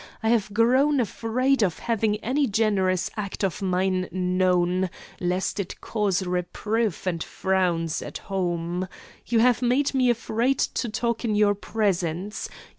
I have grown afraid of having any generous act of mine known, lest it cause reproof and frowns at home. 'You have made me afraid to talk in your presence.